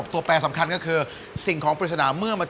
มันก็ไม่ค่อยต่างจากไอ้ที่คุณอยากได้มากเนาะ